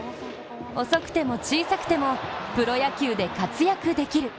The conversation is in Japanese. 遅くても、小さくてもプロ野球で活躍できる。